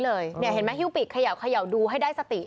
เห็นไหมฮิ้วปีกเขย่าดูให้ได้สติ